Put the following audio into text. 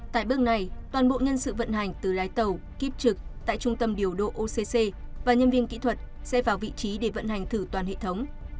tại bước này toàn bộ nhân sự vận hành từ lái tàu kiếp trực tại trung tâm điều độ occ và nhân viên kỹ thuật sẽ vào vị trí để vận hành thử toàn hệ thống